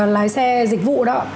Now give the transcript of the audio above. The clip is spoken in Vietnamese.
lái xe dịch vụ đó